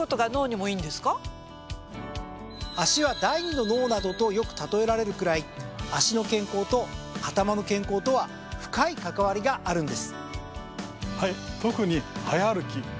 脚は第二の脳などとよく例えられるくらい脚の健康と頭の健康とは深い関わりがあるんです。